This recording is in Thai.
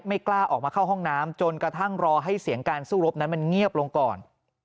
กล้าออกมาเข้าห้องน้ำจนกระทั่งรอให้เสียงการสู้รบนั้นมันเงียบลงก่อน